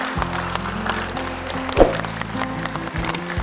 akhirnya yang kita tunggu tunggu datang juga